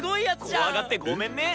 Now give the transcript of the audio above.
怖がってごめんね！